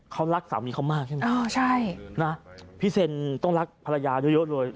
เขารักสามีเขามากใช่ไหมพี่เซนต้องรักภรรยาเยอะเลย